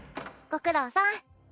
ご苦労さん。